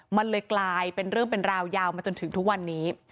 มันเลยกลายเป็นเรื่องเป็นราวยาวมาจนถึงทุกวันนี้